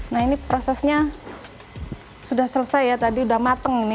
nah ini prosesnya sudah selesai ya tadi sudah mateng ini